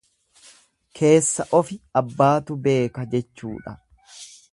Keessa ofi abbaatu beeka jechuudha.